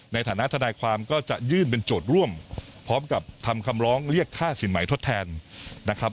ในฐานะทนายความก็จะยื่นเป็นโจทย์ร่วมพร้อมกับทำคำร้องเรียกค่าสินใหม่ทดแทนนะครับ